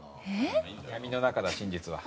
闇の中だ真実は。